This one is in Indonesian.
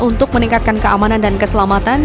untuk meningkatkan keamanan dan keselamatan